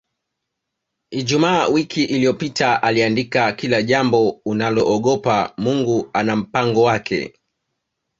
Ijumaa wiki iliyopita aliandika Kila jambo unaloogopa Mungu ana mpango wake